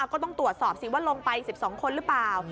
ก็ต้องตรวจสอบสิว่าลงไป๑๒คนหรือเปล่า